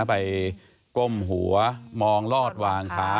ไปก้มหัวมองลอดวางขา